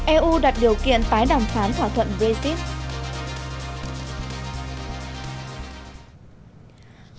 eu đặt điều kiện tái đàm phán thỏa thuận brexit